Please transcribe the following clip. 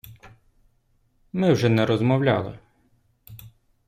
Ми вже не розмовляли.